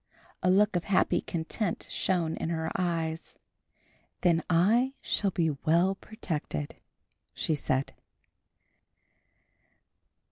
A look of happy content shone in her eyes. "Then I shall be well protected," she said.